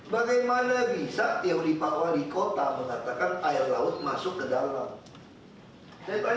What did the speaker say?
bagaimana bisa yang di bawah di kota mengatakan air laut masuk ke dalam